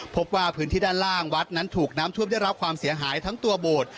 พบว่าพื้นที่ด้านล่างวัดนั้นถูกน้ำท่วมได้รับความเสียหายทั้งตัวโบสถ์